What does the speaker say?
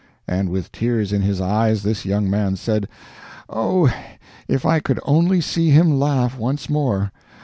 And with tears in his eyes, this young man said, "Oh, if I could only see him laugh once more!